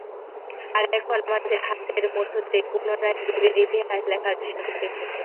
আর এখন আমাদের হাতের মুঠোতেই পুনরায় জীবের ইতিহাস লেখার সুযোগ এসেছে।